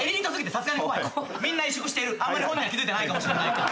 あんまり本人は気付いてないかもしんないけど。